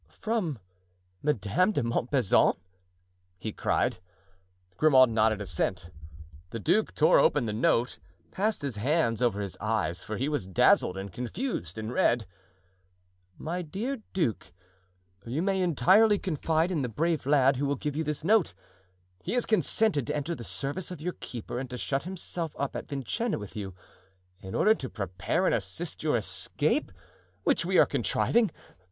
"From Madame de Montbazon?" he cried. Grimaud nodded assent. The duke tore open the note, passed his hands over his eyes, for he was dazzled and confused, and read: "My Dear Duke,—You may entirely confide in the brave lad who will give you this note; he has consented to enter the service of your keeper and to shut himself up at Vincennes with you, in order to prepare and assist your escape, which we are contriving.